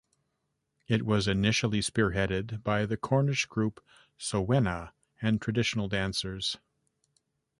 It was initially spearheaded by the Cornish group Sowena, and traditional dancers.